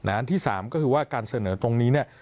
อันที่๓ก็คือว่าการเสนอตรงนี้เนี่ย